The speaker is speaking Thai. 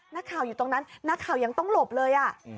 นักข่าวอยู่ตรงนั้นนักข่าวยังต้องหลบเลย